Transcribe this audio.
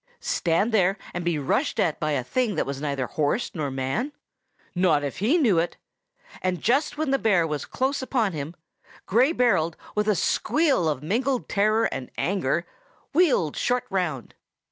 Stand there and be rushed at by a thing that was neither horse nor man? Not if he knew it! And just when the bear was close upon him, Gray Berold, with a squeal of mingled terror and anger, wheeled short round.